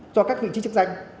cho các vị trí chức danh